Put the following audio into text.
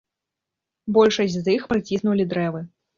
Большасць з іх прыціснулі дрэвы.